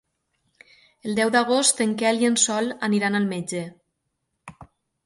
El deu d'agost en Quel i en Sol aniran al metge.